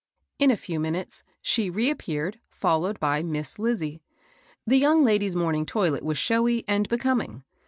In a few minutes, she reappeared, followed by Miss Lizie. The young lady's morning toilet was showy and becoming.